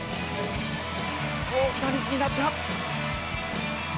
大きなミスになった。